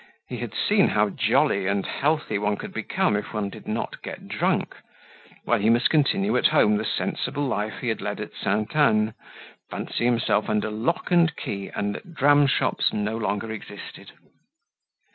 He had seen how jolly and healthy one could become when one did not get drunk. Well, he must continue at home the sensible life he had led at Sainte Anne, fancy himself under lock and key and that dram shops no longer existed.